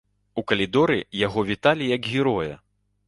У калідоры яго віталі як героя.